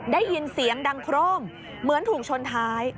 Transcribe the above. ได้ยินเสียงดังโครมเหมือนถูกชนท้าย